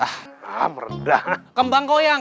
ah meredah kembang goyang